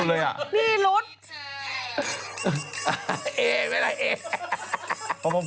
เอ่ยไว้แหละเอ่ย